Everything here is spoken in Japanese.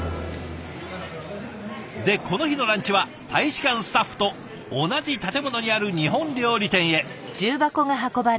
でこの日のランチは大使館スタッフと同じ建物にある日本料理店へ。